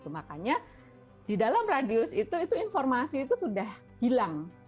makanya di dalam radius itu informasi itu sudah hilang